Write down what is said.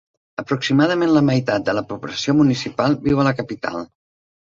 Aproximadament la meitat de la població municipal viu a la capital.